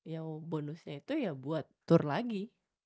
ya bonusnya itu ya buat tour lagi